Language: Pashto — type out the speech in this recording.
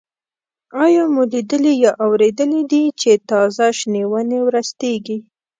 آیا مو لیدلي یا اورېدلي دي چې تازه شنې ونې ورستېږي؟